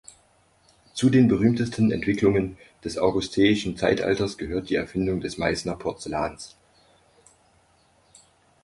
Zu den berühmtesten Entwicklungen des Augusteischen Zeitalters gehört die Erfindung des Meißner Porzellans.